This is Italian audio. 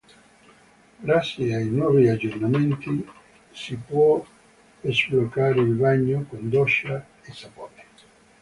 Grazie ai nuovi aggiornamenti si può sbloccare il bagno, con doccia e sapone.